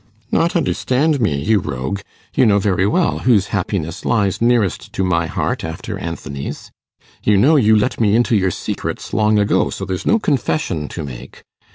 'Not understand me, you rogue? You know very well whose happiness lies nearest to my heart after Anthony's. You know you let me into your secrets long ago, so there's no confession to make.